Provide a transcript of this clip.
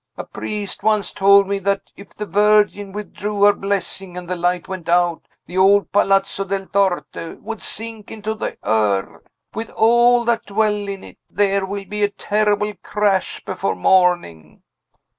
A priest once told me that, if the Virgin withdrew her blessing and the light went out, the old Palazzo del Torte would sink into the earth, with all that dwell in it. There will be a terrible crash before morning!"